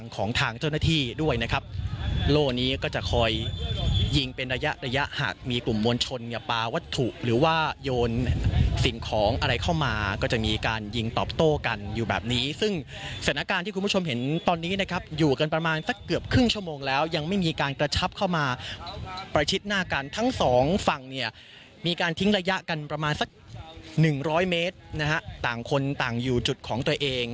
ก็จะคอยยิงเป็นระยะหากมีกลุ่มมวลชนกับปลาวัตถุหรือว่ายนสิ่งของอะไรเข้ามาก็จะมีการยิงตอบโต้กันอยู่แบบนี้ซึ่งสถานการณ์ที่คุณผู้ชมเห็นตอนนี้นะครับอยู่กันประมาณสักเกือบครึ่งชั่วโมงแล้วยังไม่มีการกระชับเข้ามาประชิดหน้ากันทั้งสองฝั่งเนี่ยมีการทิ้งระยะกันประมาณสัก๑๐๐เมตรนะฮะต่างคนต